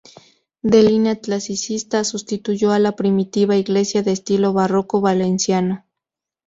De línea clasicista, sustituyó a la primitiva iglesia, de estilo barroco valenciano.